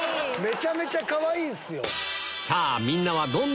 めちゃめちゃかわいい。